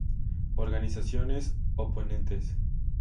Organizaciones oponentes